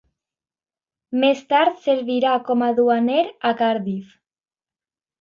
Més tard servirà com a duaner a Cardiff.